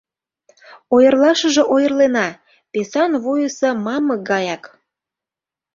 Ойырлашыже ойырлена песан вуйысо мамык гаяк.